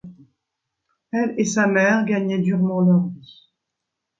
Elle et sa mère gagnaient durement leur vie.